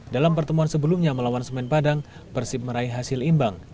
dalam pertemuan sebelumnya melawan semen padang persib meraih hasil imbang